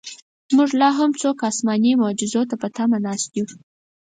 موږ لاهم څوک اسماني معجزو ته په تمه ناست یو.